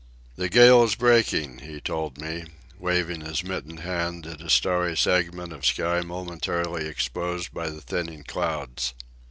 "The gale is breaking," he told me, waving his mittened hand at a starry segment of sky momentarily exposed by the thinning clouds.